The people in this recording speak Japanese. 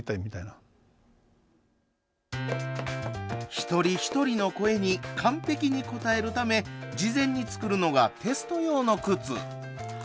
一人一人の声に完璧に応えるため事前に作るのがテスト用の靴。